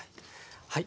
はい。